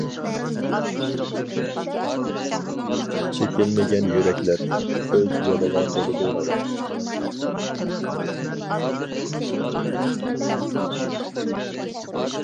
چېكىلمىگەن يۈرەكلەر، ئۆز يولىغا بولىدۇ راۋان.